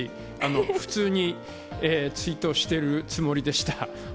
普通にツイートしてるつもりでした。